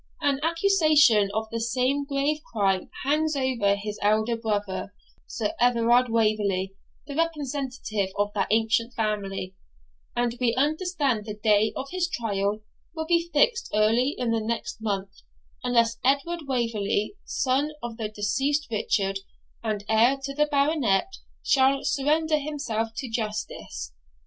An accusation of the same grave crime hangs over his elder brother, Sir Everard Waverley, the representative of that ancient family; and we understand the day of his trial will be fixed early in the next month, unless Edward Waverley, son of the deceased Richard, and heir to the Baronet, shall surrender himself to justice.